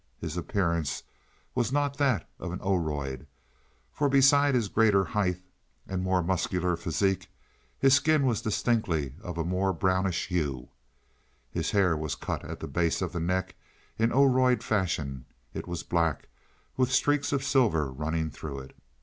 His appearance was not that of an Oroid, for beside his greater height, and more muscular physique, his skin was distinctly of a more brownish hue. His hair was cut at the base of the neck in Oroid fashion; it was black, with streaks of silver running through it.